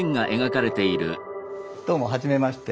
どうもはじめまして。